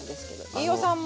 飯尾さん